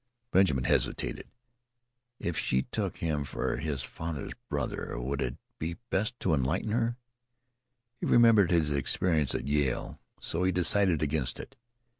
Benjamin hesitated. If she took him for his father's brother, would it be best to enlighten her? He remembered his experience at Yale, so he decided against it.